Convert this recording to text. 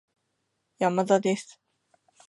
山田です